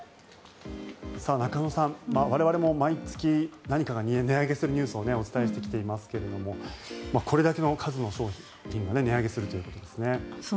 中野さん、我々も毎月何かが値上げするニュースをお伝えしてきていますけれどこれだけの数の商品が値上げするということですね。